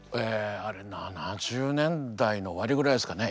あれ７０年代の終わりぐらいですかね